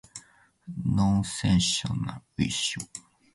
Nonsensical issues.